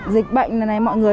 dịch bệnh này mọi người